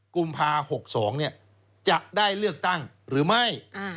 กุมภา๖๒จะได้เลือกตั้งหรือไม่